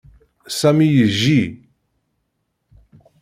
Sami yejji.